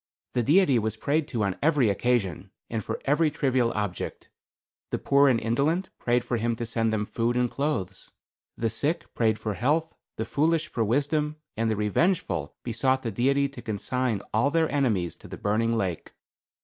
The Deity was prayed to on every occasion, and for every trivial object. The poor and indolent prayed for him to send them food and clothes. The sick prayed for health, the foolish for wisdom, and the revengeful besought the Deity to consign all their enemies to the burning lake.